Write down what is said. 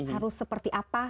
harus seperti apa